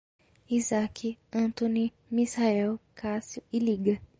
Isaque, Antoni, Misael, Cássio e Lívia